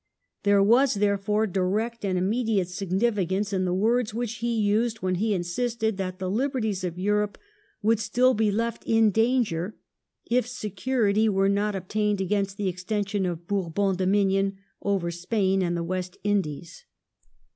There was, therefore, direct and immediate significance in the words which he used when he insisted that the liberties of Europe would still be left in danger if security were not obtained against the extension of Bourbon dominion over Spain and the West Indies.